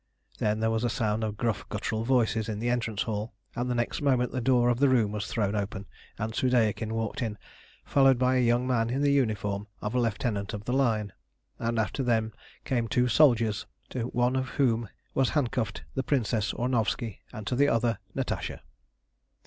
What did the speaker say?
Then there was a sound of gruff guttural voices in the entrance hall, and the next moment the door of the room was thrown open, and Soudeikin walked in, followed by a young man in the uniform of a lieutenant of the line, and after them came two soldiers, to one of whom was handcuffed the Princess Ornovski, and to the other Natasha.